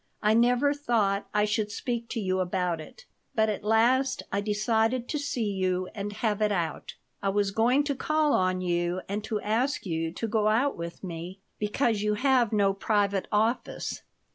I never thought I should speak to you about it, but at last I decided to see you and have it out. I was going to call on you and to ask you to go out with me, because you have no private office."